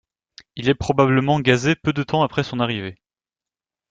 Il est probablement gazé peu de temps après son arrivée.